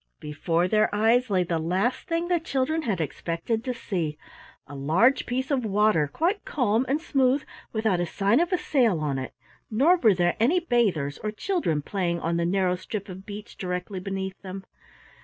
Before their eyes lay the last thing the children had expected to see, a large piece of water quite calm and smooth, without a sign of a sail on it, nor were there any bathers or children playing on the narrow strip of beach directly beneath them.